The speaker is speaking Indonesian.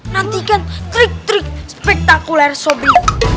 nantikan trik trik spektakuler sobek